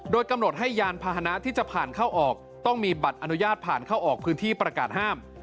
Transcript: โดยกำหนดให้ยานพาหนะที่จะผ่านเข้าออกต้องมีบัตรอนุญาตผ่านเข้าออกพื้นที่ประกาศห้าม